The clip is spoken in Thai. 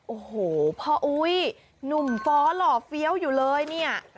โอ้โหพ่ออุ้ยหนุ่มฟ้อหล่อเฟี้ยวอยู่เลยเนี่ย